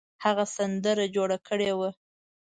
هغه سندره جوړه کړې وه.